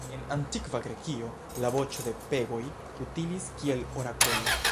En antikva Grekio la voĉo de pegoj utilis kiel orakolo.